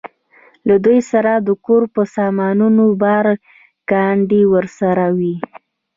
له دوی سره د کور په سامانونو بار، ګاډۍ ورسره وې.